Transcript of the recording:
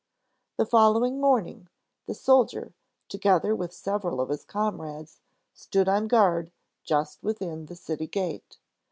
The following morning, the soldier, together with several of his comrades, stood on guard, just within the city gate.